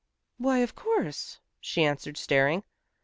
"Why, of course," she answered staring.